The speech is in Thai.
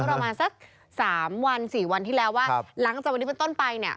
ก็รอมาสัก๓๔วันที่แล้วว่าหลังจากวันนี้เป็นต้นไป